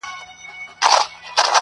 ځغلول يې موږكان تر كور او گوره٫